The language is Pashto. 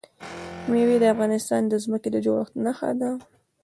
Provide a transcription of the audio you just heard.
مېوې د افغانستان د ځمکې د جوړښت نښه ده.